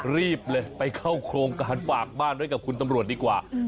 รีบเลยไปเข้าโครงการฝากบ้านไว้กับคุณตำรวจดีกว่า